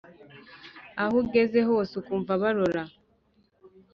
Aho ugeze hose ukumva barora